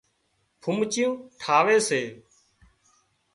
ڦومچيون ٺاهي سي